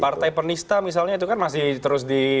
partai penista misalnya itu kan masih terus di